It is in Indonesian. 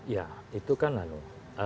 ya itu kan lalu